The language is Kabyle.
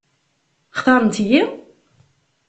Xtaṛent-iyi?